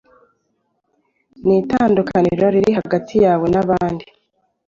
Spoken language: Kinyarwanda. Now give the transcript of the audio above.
nitandukaniro riri hagati yawe n’abandi